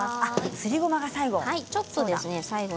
すりごまが最後。